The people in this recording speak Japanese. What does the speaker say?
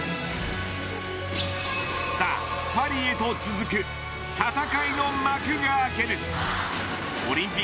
さあ、パリへと続く戦いの幕が開ける。